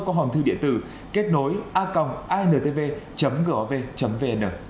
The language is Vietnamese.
qua hòn thư điện tử kết nối a intv gov vn